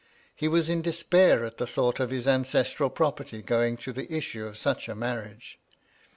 He was in despair at the thought of his ancestral property going to the issue of such a marriage.